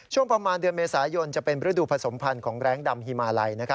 ช่วงประมาณเดือนเมษายนจะเป็นฤดูผสมพันธ์ของแรงดำฮิมาลัย